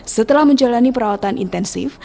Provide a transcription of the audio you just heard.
setelah menjalani perawatan intensif